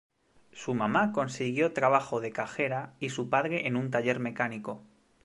Su mamá consiguió trabajo de cajera y su padre en un taller mecánico.